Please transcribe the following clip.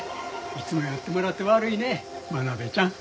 いつも寄ってもらって悪いね真鍋ちゃん。